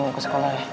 kamu ke sekolah ya